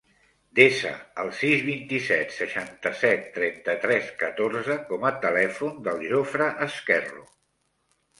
Desa el sis, vint-i-set, seixanta-set, trenta-tres, catorze com a telèfon del Jofre Ezquerro.